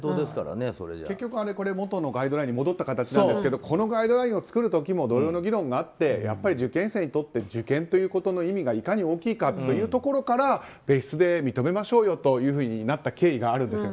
結局、元のガイドラインに戻った形なんですけどこのガイドラインを作る時も同様の議論があってやっぱり受験生にとって受験という意味がいかに大きいかというところで別室で認めましょうよとなった経緯があるんですよ。